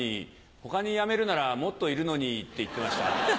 他にやめるならもっといるのに」って言ってました。